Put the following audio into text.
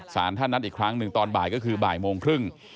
สารท่านนัดอีกครั้งหนึ่งตอนบ่ายก็คือบ่ายโมงครึ่ง